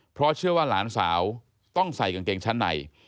เพราะเชื่อว่าหลานสาวต้องใส่กางเกงชั้นใน